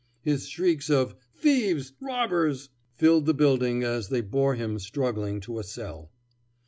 His shrieks of "Thieves! robbers!" filled the building as they bore him struggling to a cell.